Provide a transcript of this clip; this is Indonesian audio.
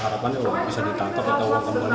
harapannya uang bisa ditangkap atau uang kembali